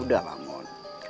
udah lah mohon